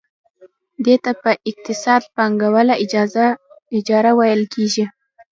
دې ته په اقتصاد کې پانګواله اجاره ویل کېږي